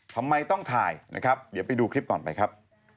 ทำไมต้องถ่ายนะครับเดี๋ยวไปดูคลิปก่อนไปครับ